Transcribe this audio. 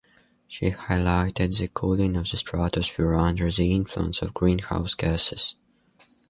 She highlighted the cooling of the stratosphere under the influence of greenhouse gases.